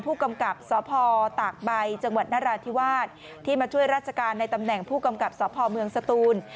ผู้กำกับสพตากใบจังหวัดนราธิวาสที่มาช่วยราชการในตำแหน่งผู้กำกับสพเมืองสตูน